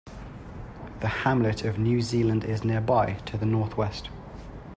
The hamlet of New Zealand is nearby, to the northwest.